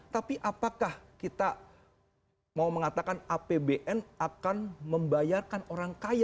tapi apakah kita mau mengatakan apbn akan membayarkan orang kaya